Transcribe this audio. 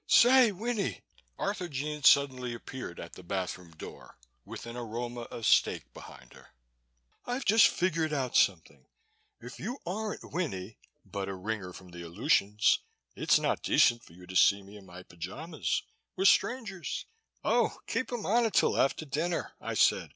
"Say, Winnie!" Arthurjean suddenly appeared at the bathroom door, with an aroma of steak behind her. "I've just figured out something. If you aren't Winnie but a ringer from the Aleutians, it's not decent for you to see me in my pyjamas. We're strangers!" "Oh, keep 'em on till after dinner," I said.